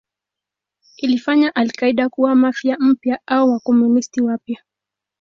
Ilifanya al-Qaeda kuwa Mafia mpya au Wakomunisti wapya.